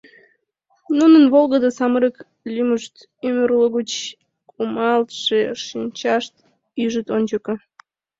Нунын волгыдо самырык лӱмышт, Ӱмыр лугыч кумалтше шинчашт Ӱжыт ончыко.